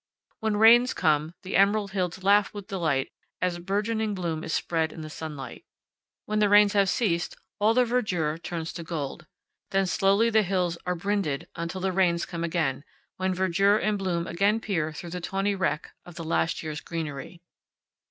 When rains come the emerald hills laugh with delight as bourgeoning bloom is spread in the sunlight. When the rains have ceased all the verdure turns to gold. Then slowly the hills are brinded powell canyons 3.jpg BIRD'S EYE VIEW OF THE CLIFFS. until the rains come again, when verdure and bloom again peer through the tawny wreck of the last year's greenery.